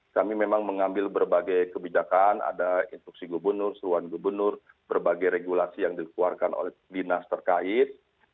kami memang mengambil berbagai kebijakan ada instruksi gubernur seruan gubernur berbagai regulasi yang dikeluarkan oleh dinas terkait